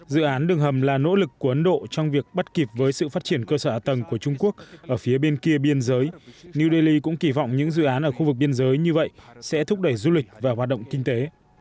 dự án đường hầm là nỗ lực của ấn độ trong việc bắt kịp với sự phát triển cơ sở ả tầng của trung quốc ở phía bên kia biên giới new delhi cũng kỳ vọng những dự án ở khu vực biên giới như vậy sẽ thúc đẩy du lịch và hoạt động kinh tế